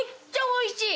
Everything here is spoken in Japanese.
おいしい！